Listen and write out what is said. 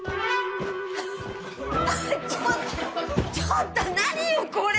ちょっちょっと何よこれ！